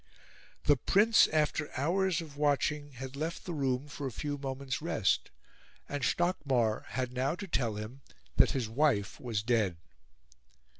The Prince, after hours of watching, had left the room for a few moments' rest; and Stockmar had now to tell him that his wife was dead.